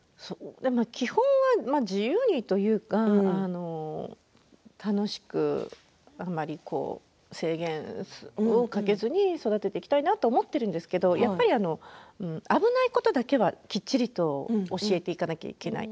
基本は自由にというか楽しくあまりこう、制限をかけずに育てていきたいなと思っているんですけれどやっぱり危ないことだけはきちっと教えていかないといけない。